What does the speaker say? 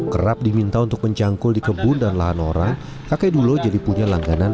kerap diminta untuk mencangkul di kebun dan lahan orang kakek dulu jadi punya langganan